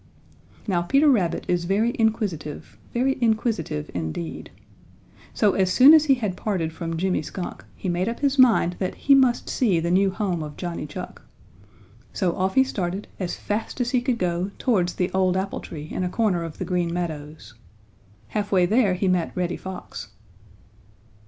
Now Peter Rabbit is very inquisitive, very inquisitive indeed. So as soon as he had parted from Jimmy Skunk he made up his mind that he must see the new home of Johnny Chuck. So off he started as fast as he could go towards the old apple tree in a corner of the Green Meadows. Half way there he met Reddy Fox.